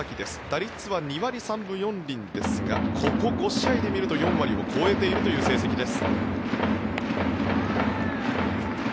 打率は２割３分４厘ですがここ５試合で見ると４割を超えているという成績です。